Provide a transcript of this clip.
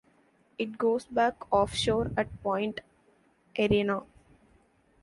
It goes back offshore at Point Arena.